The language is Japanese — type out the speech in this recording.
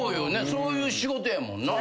そういう仕事やもんな。